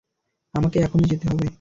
আমাকে এখনি যেতে হবে।